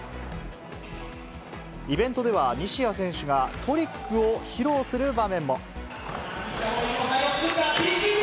イベントでは、西矢選手がトリックを披露する場面も。